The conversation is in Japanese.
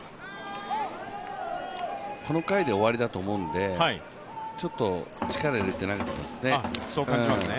この回で終わりだと思うのでちょっと力入れて投げてますね。